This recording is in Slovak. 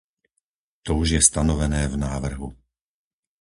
To už je stanovené v návrhu.